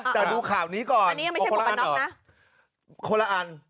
แต่ดูข่าวนี้ก่อนอันนี้ยังไม่ใช่หมวกกันน็อกนะคนละอัน